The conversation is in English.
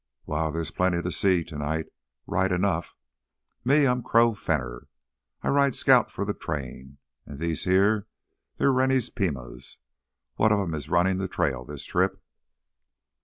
"Wal, thar's aplenty to see tonight, right enough. Me—I'm Crow Fenner; I ride scout fur th' train. An' these here—they're Rennie's Pimas, what o' 'em is runnin' th' trail this trip."